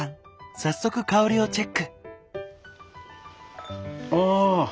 早速香りをチェック。